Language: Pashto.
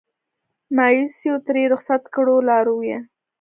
مایوسیو ترې رخصت کړو لارویه